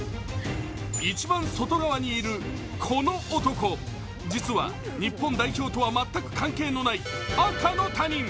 一番外側にいるこの男、実は、日本代表とは全く関係のない赤の他人。